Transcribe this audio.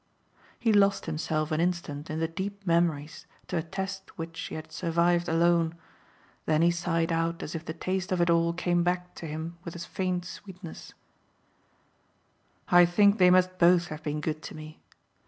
He lost himself an instant in the deep memories to attest which he had survived alone; then he sighed out as if the taste of it all came back to him with a faint sweetness: "I think they must both have been good to me.